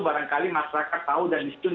barangkali masyarakat tahu dan miskin